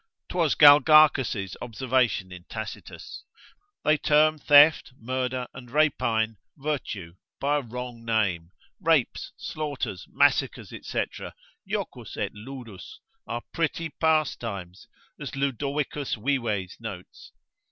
('Twas Galgacus' observation in Tacitus) they term theft, murder, and rapine, virtue, by a wrong name, rapes, slaughters, massacres, &c. jocus et ludus, are pretty pastimes, as Ludovicus Vives notes.